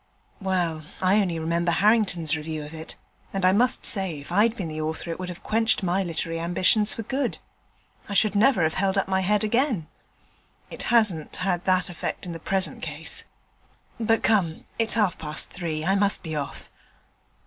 'Well, I only remember Harrington's review of it, and I must say if I'd been the author it would have quenched my literary ambition for good. I should never have held up my head again.' 'It hasn't had that effect in the present case. But come, it's half past three; I must be off.'